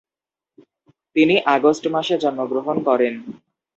তিনি আগস্ট মাসে জন্মগ্রহণ করেন।